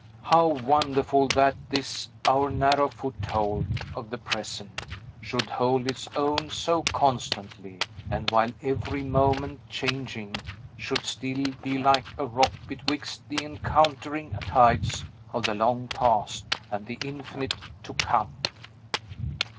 How wonderful that this our narrow foothold of the Present should hold its own so constantly, and, while every moment changing, should still be like a rock betwixt the encountering tides of the long Past and the infinite To come!